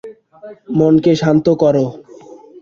মনকে শান্ত করো।